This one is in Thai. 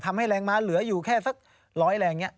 ทำให้แรงม้าเหลืออยู่แค่สักร้อยแรงอย่างนี้